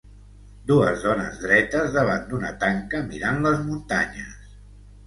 Dues dones dretes davant d'una tanca mirant les muntanyes.